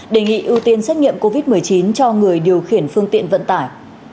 đề nghị ưu tiên xét nghiệm covid một mươi chín cho người điều khiển phương tiện vận tải